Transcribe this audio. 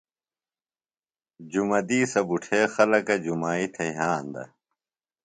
جُمہ دِیسہ بُٹھے خلکہ جُمائی تھےۡ یھاندہ ۔